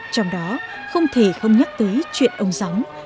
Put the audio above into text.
trong đó không thể không nhắc tới chuyện ông gióng